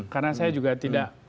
karena saya juga tidak